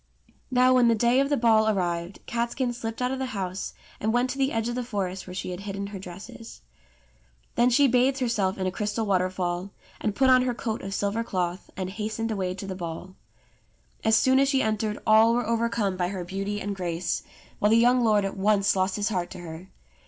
Now when the day of the ball arrived, Catskin slipped out of the house and went to the edge of the forest where she had hidden her dresses. Then she bathed herself in a crystal waterfall, and put on her coat of silver cloth, and hastened away to the ball. As soon as she entered all were overcome by her beauty and grace, while the young lord at once lost his heart to her.